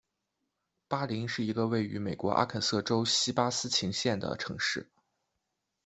巴林是一个位于美国阿肯色州锡巴斯琴县的城市。